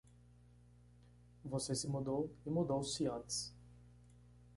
Você se mudou e mudou-se antes.